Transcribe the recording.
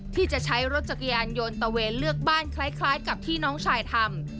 ที่จะใช้รถจักรยานยนต์ตะเวนเลือกบ้านคล้ายกับที่น้องชายทำ